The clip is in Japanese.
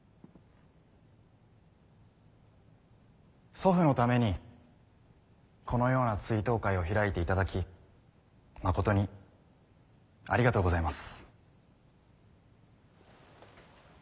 祖父のためにこのような追悼会を開いていただきまことにありがとうございます。